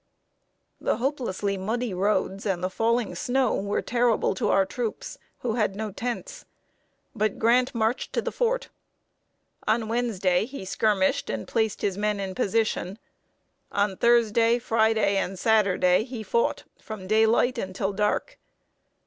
The hopelessly muddy roads and the falling snow were terrible to our troops, who had no tents; but Grant marched to the fort. On Wednesday he skirmished and placed his men in position; on Thursday, Friday, and Saturday, he fought from daylight until dark.